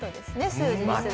数字にすると。